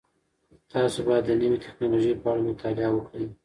تاسو باید د نوې تکنالوژۍ په اړه مطالعه وکړئ.